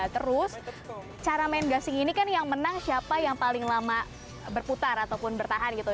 terus cara main gasing ini kan yang menang siapa yang paling lama berputar ataupun bertahan gitu